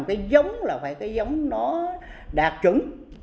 cái giống là phải cái giống nó đạt chuẩn